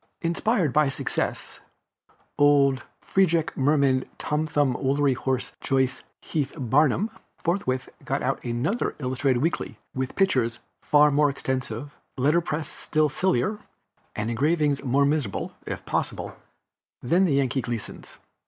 Inspired by his success, old Feejec Mermaid Tom Thumb Woolly Horse Joyce Heth Barnum forthwith got out another illustrated weekly, with pictures far more extensive, letter press still sillier, and engravings more miserable, if possible, than Yankee Gleason's.